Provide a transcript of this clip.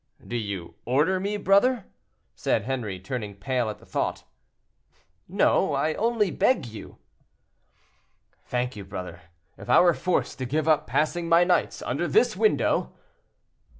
"Do you order me, brother?" said Henri, turning pale at the thought. "No; I only beg you." "Thank you, brother. If I were forced to give up passing my nights under this window."